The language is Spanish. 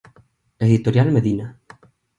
Editorial Medina.